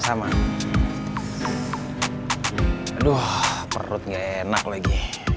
aduh perut enak lagi